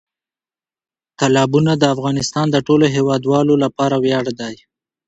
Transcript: تالابونه د افغانستان د ټولو هیوادوالو لپاره ویاړ دی.